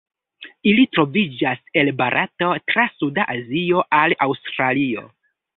Ili troviĝas el Barato tra suda Azio al Aŭstralio.